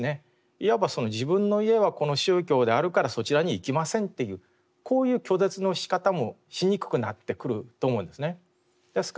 いわば自分の家はこの宗教であるからそちらに行きませんっていうこういう拒絶のしかたもしにくくなってくると思うんですね。